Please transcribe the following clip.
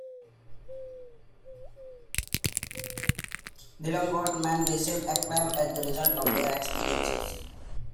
The Ilongot men received acclaim as a result of their experiences.